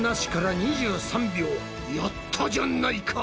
やったじゃないか！